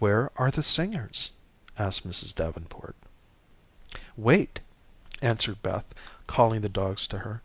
"Where are the singers?" asked Mrs. Davenport. "Wait," answered Beth, calling the dogs to her.